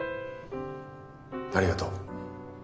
ありがとう。